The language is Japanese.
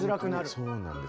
そうなんです。